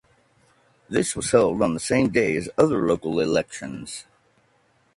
This was held on the same day as other local elections.